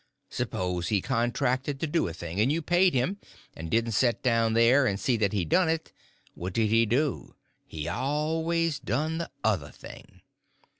S'pose he contracted to do a thing, and you paid him, and didn't set down there and see that he done it—what did he do? He always done the other thing.